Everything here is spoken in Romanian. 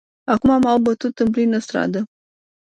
Acum m-au bătut în plină stradă.